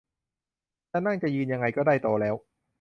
จะนั่งจะยืนยังไงก็ได้ โตแล้ว